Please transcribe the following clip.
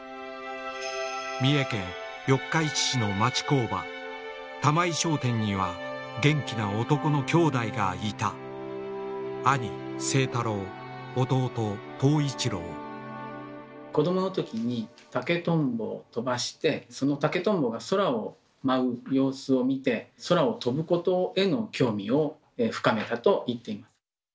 三重県四日市市の町工場「玉井商店」には元気な男の兄弟がいた子どものときにその竹とんぼが空を舞う様子を見て空を飛ぶことへの興味を深めたと言っています。